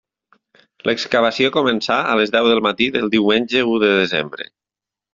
L'excavació començà a les deu del matí del diumenge u de desembre.